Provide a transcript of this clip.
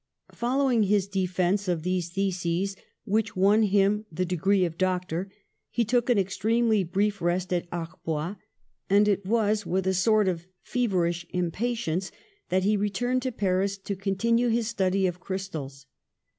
Following his defense of these theses, which won him the degree of Doctor, he took an extremely brief rest at Arbois, and it was with a sort of feverish impatience that he re turned to Paris to continue his study of crys tals.